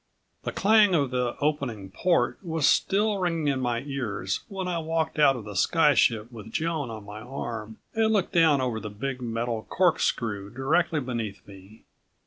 9 The clang of the opening port was still ringing in my ears when I walked out of the sky ship with Joan on my arm and looked down over the big metal corkscrew directly beneath me.